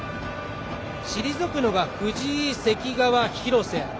退くのが藤井、関川、広瀬。